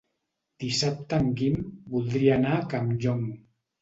Dissabte en Guim voldria anar a Campllong.